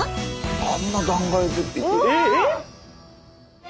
あんな断崖絶壁え？え！？